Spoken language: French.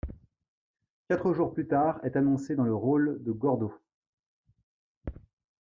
Quatre jours plus tard, est annoncé dans le rôle de Gordo.